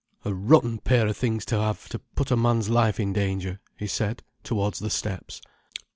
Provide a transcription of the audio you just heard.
"A rotten pair of things to have, to put a man's life in danger," he said, towards the steps.